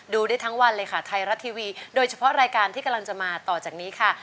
ได้ทั้งวันเลยค่ะไทยรัฐทีวีโดยเฉพาะรายการที่กำลังจะมาต่อจากนี้ค่ะ